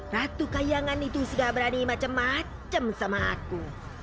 ratu kayangan itu sudah berani macam macam sama aku